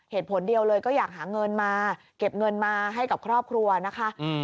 เหตุผลเดียวเลยก็อยากหาเงินมาเก็บเงินมาให้กับครอบครัวนะคะ